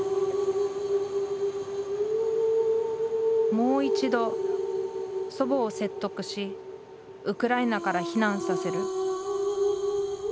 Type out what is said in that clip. もう一度祖母を説得しウクライナから避難させる